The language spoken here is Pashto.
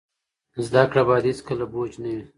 زده کړه باید هیڅکله بوج نه وي.